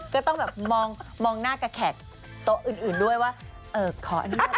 ก็ต้องแบบมองหน้ากับแขกโต๊ะอื่นด้วยว่าขออนุญาต